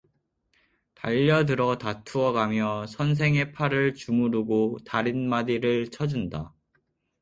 달려들어 다투어 가며 선생의 팔을 주무르고 다릿마디를 쳐준다.